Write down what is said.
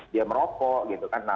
dia merokok gitu kan